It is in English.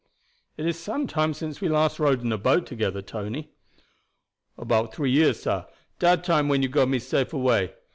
"It is some time since we last rowed in a boat together, Tony." "About three years, sah; dat time when you got me safe away.